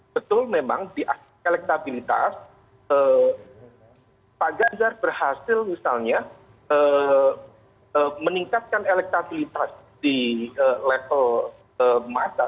betul memang di aspek elektabilitas pak ganjar berhasil misalnya meningkatkan elektabilitas di level mata